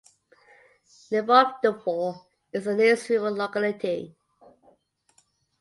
Lvov Dvor is the nearest rural locality.